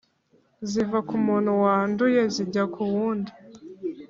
ziva ku muntu wanduye zijya ku wundi,